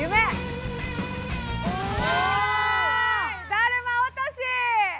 だるま落とし！